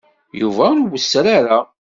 Yuba ur wesser ara.